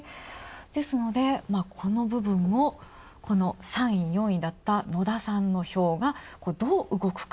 ですので、この部分の３位、４位だった野田さんの票がどう動くか。